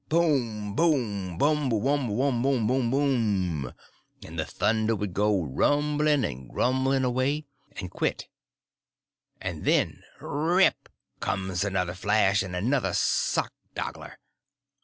_—bum! bum! bumble umble um bum bum bum bum—and the thunder would go rumbling and grumbling away, and quit—and then rip comes another flash and another sockdolager.